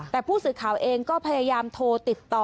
แต่ผู้สื่อข่าวเองก็พยายามโทรติดต่อ